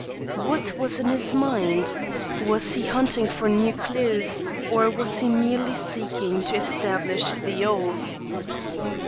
What was in his mind? Was he hunting for new clews, or was he merely seeking to establish the old?